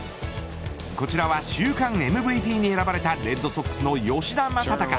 こちらは週間ＭＶＰに選ばれたレッドソックスの吉田正尚。